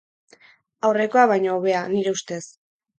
Aurrekoa baino hobea, nire ustez.